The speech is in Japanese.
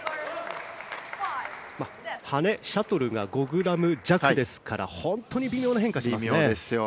羽根、シャトルが５ｇ弱ですから本当に微妙な変化ですよね。